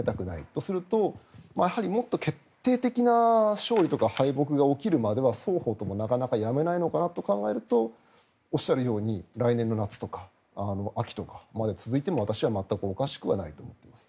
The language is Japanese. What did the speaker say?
と、するともっと決定的な勝利とか敗北が起きるまでは双方ともやめないのかなと考えるとおっしゃるように来年の夏とか秋とかまで続いても私は全くおかしくないと思っています。